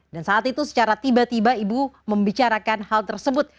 dan saat itu secara tiba tiba ibu membicarakan hal tersebut